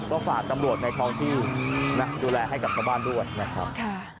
ก็ฝากตำรวจในท้องที่นะดูแลให้กับชาวบ้านด้วยนะครับ